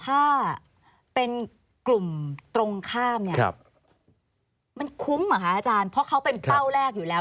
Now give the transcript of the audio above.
ถ้าเป็นกลุ่มตรงข้ามเนี่ยมันคุ้มเหรอคะอาจารย์เพราะเขาเป็นเป้าแรกอยู่แล้ว